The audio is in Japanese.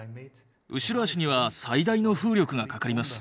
後ろ足には最大の風力がかかります。